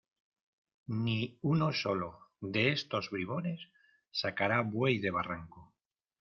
Ni uno solo de estos bribones sacará buey de barranco.